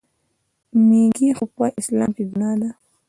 میږي خو په اسلام کې ګناه ده.